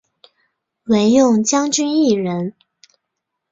惟用将军一人。